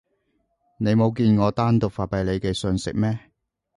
你冇見我單獨發畀你嘅訊息咩？